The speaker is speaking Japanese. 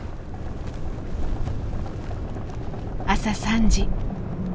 朝３時。